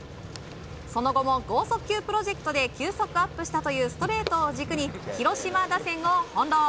その後も豪速球プロジェクトで球速アップしたというストレートを軸に広島打線を翻弄。